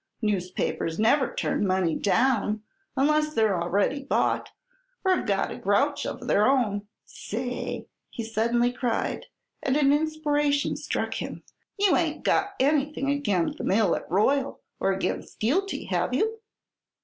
Newspapers never turn money down unless they're a'ready bought, or have got a grouch of their own.... Say!" he suddenly cried, as an inspiration struck him, "you ain't got anything agin the mill at Royal, or agin Skeelty, have you?"